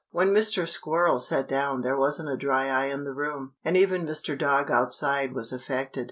When Mr. Squirrel sat down there wasn't a dry eye in the room, and even Mr. Dog outside was affected.